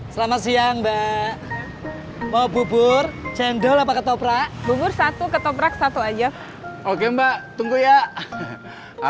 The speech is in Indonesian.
sampai jumpa di video selanjutnya